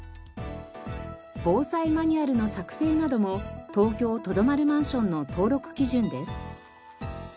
防災マニュアルの作成なども東京とどまるマンションの登録基準です。